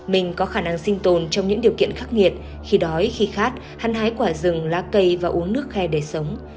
mình có khả năng sinh tồn trong những điều kiện khắc nghiệt khi đói khi khát hăn hái quả rừng lá cây và uống nước khe đời sống